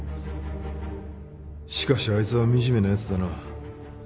しかしあいつは惨めなやつだな。